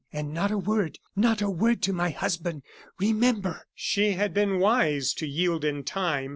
And not a word not a word to my husband, remember!" She had been wise to yield in time.